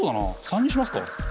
③にしますか。